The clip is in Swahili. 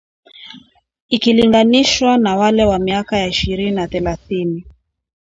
ikilinganishwa na wale wa miaka ya ishirini na thelathini